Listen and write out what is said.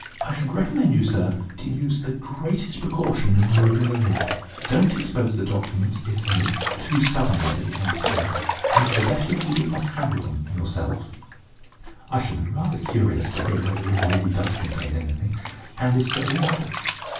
I should recommend you, sir, to use the greatest precaution in removing the lid don't expose the documents, if any, too suddenly to the outer air, and it would be better if you did not handle them yourself. I shall be rather curious to hear whether it really does contain anything, and if so, what."